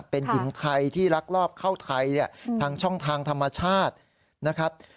เป็นหญิงไทยที่รักรอบเข้าไทยทางช่องทางธรรมชาตินะครับ